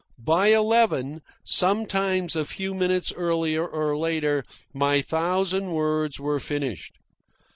By eleven, sometimes a few minutes earlier or later, my thousand words were finished.